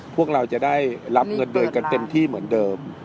พวกเราจะได้รับเงินเดือนกันเต็มที่เหมือนเดิม